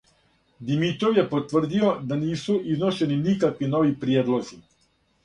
Димитров је потврдио да нису изношени никакви нови приједлози.